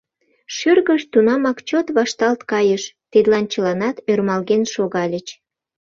Шӱргышт тунамак чот вашталт кайыш — тидлан чыланат ӧрмалген шогальыч.